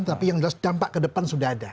tapi yang jelas dampak ke depan sudah ada